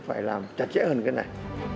phải làm chặt chẽ hơn cái này